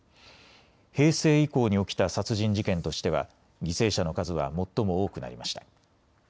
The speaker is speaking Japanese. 平成以降に起きた殺人事件としては犠牲者の数は最も多くなりました。